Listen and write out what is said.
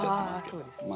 あそうですね。